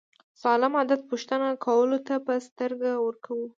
سالم عادت پوښتنه کولو ته په سترګه وګورو.